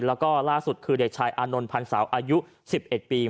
แล้วก็ล่าสุดคือเด็กชายอานนท์พันธ์สาวอายุ๑๑ปี